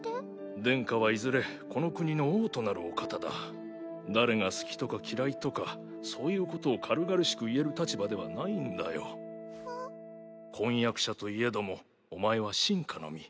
殿下はいずこの国の王となるお方だ誰が好きとか嫌いとかそういうことを軽々しく言える立場ではないんだよあっ婚約者といえどもお前は臣下の身。